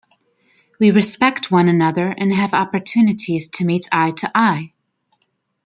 We respect one another and have opportunities to meet eye-to-eye.